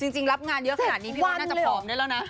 จริงรับงานเยอะขนาดนี้พี่ว่าน่าจะผอมได้แล้วนะ